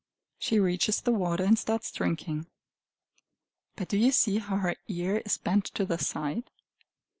She reaches the water and starts drinking. But do you see how her ear is bent to the side?